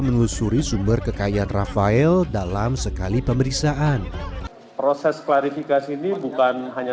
menelusuri sumber kekayaan rafael dalam sekali pemeriksaan proses klarifikasi ini bukan hanya